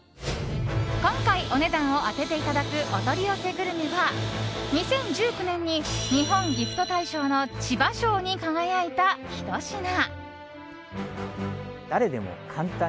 今回、お値段を当てていただくお取り寄せグルメは２０１９年に日本ギフト大賞の千葉賞に輝いたひと品。